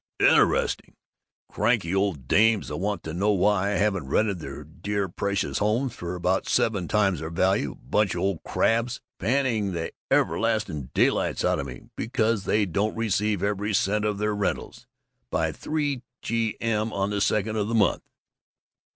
"Interesting! Cranky old dames that want to know why I haven't rented their dear precious homes for about seven times their value, and bunch of old crabs panning the everlasting daylights out of me because they don't receive every cent of their rentals by three G.M. on the second of the month!